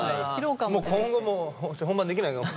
今後もう本番できないかも。